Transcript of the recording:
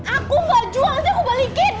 aku gak jual dia aku balikin